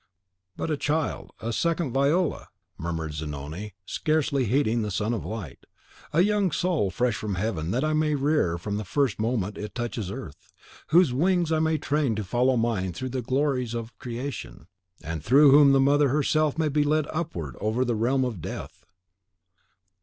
"But a child, a second Viola!" murmured Zanoni, scarcely heeding the Son of Light; "a young soul fresh from heaven, that I may rear from the first moment it touches earth, whose wings I may train to follow mine through the glories of creation; and through whom the mother herself may be led upward over the realm of death!"